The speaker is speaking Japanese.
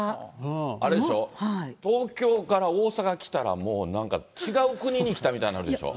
あれでしょ、東京から大阪来たらもう、なんか違う国に来たみたいになるでしょ。